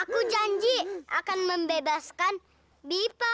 aku janji akan membebaskan dipa